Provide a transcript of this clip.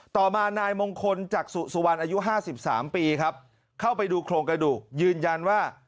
ต่อมานายมงคลจักษุสุวรรณอายุห้าสิบสามปีครับเข้าไปดูโครงกระดูกยืนยันว่า